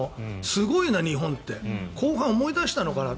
すごいな、日本って後半思い出したのかな？